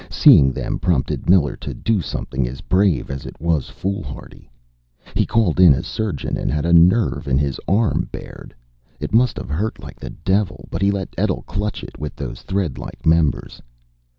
Seeing them prompted Miller to do something as brave as it was foolhardy. He called in a surgeon and had a nerve in his arm bared. It must have hurt like the devil, but he let Etl clutch it with those thread like members.